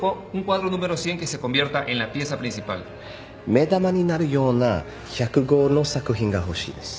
目玉になるような１００号の作品が欲しいです。